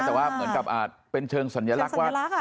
แต่ว่าเหมือนกับเป็นเชิงสัญลักษณ์ว่า